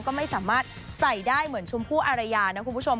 ก็ไม่สามารถใส่ได้เหมือนชมพู่อารยานะคุณผู้ชม